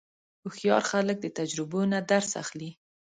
هوښیار خلک د تجربو نه درس اخلي.